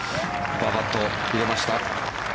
パーパット入れました。